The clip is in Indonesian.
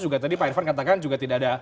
juga tadi pak irvan katakan juga tidak ada